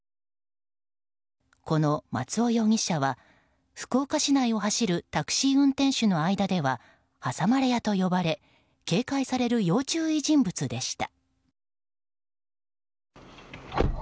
この松尾容疑者は福岡市内を走るタクシー運転手の間では挟まれ屋と呼ばれ警戒される要注意人物でした。